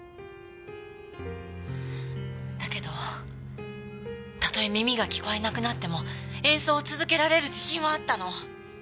だけどたとえ耳が聞こえなくなっても演奏を続けられる自信はあったの。